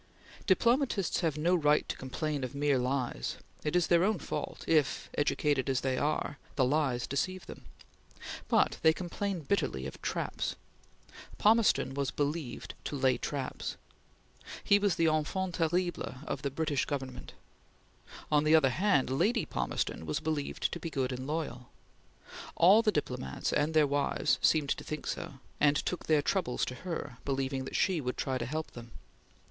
Diplomatists have no right to complain of mere lies; it is their own fault, if, educated as they are, the lies deceive them; but they complain bitterly of traps. Palmerston was believed to lay traps. He was the enfant terrible of the British Government. On the other hand, Lady Palmerston was believed to be good and loyal. All the diplomats and their wives seemed to think so, and took their troubles to her, believing that she would try to help them.